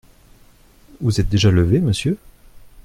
Vous êtes déjà levé, monsieur ?